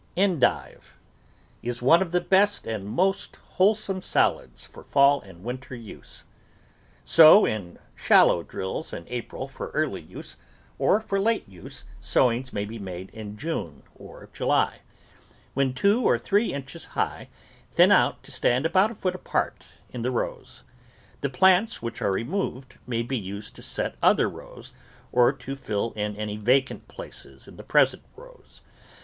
ENDIVE Is one of the best and most wholesome salads for fall and winter use. Sow in shallow drills in April for early use, or for late use, sowings may be made in June or July. When two or three inches high, thin out to stand about a foot apart in the rows. The plants which are removed may be used to set other rows or to fill in any vacant places in the present rows.